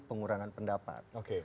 pengurangan pendapat oke